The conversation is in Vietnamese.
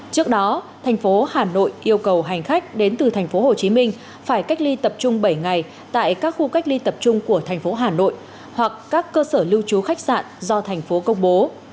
trước đó thành phố hà nội yêu cầu hành khách đến từ thành phố hồ chí minh phải cách ly tập trung bảy ngày tại các khu cách ly tập trung của thành phố hà nội hoặc các cơ sở lưu trú khách sạn do thành phố công bố